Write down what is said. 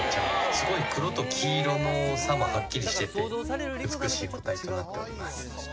すごい黒と黄色の差もはっきりしてて美しい個体となっております。